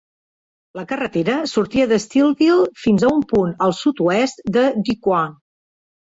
La carretera sortia de Steeleville fins a un punt al sud-oest de DuQuoin.